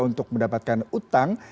untuk mendapatkan utang